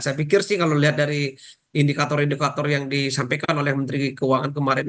saya pikir sih kalau lihat dari indikator indikator yang disampaikan oleh menteri keuangan kemarin